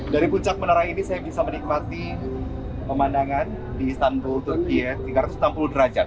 dari puncak menara ini saya bisa menikmati pemandangan di istanbul turkiye tiga ratus enam puluh derajat